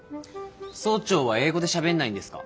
総長は英語でしゃべんないんですか？